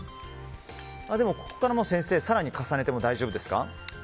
ここから更に重ねても大丈夫ですか。